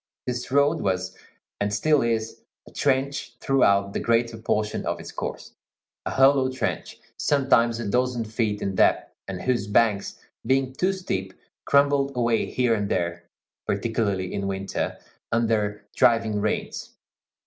This road was, and still is, a trench throughout the greater portion of its course; a hollow trench, sometimes a dozen feet in depth, and whose banks, being too steep, crumbled away here and there, particularly in winter, under driving rains.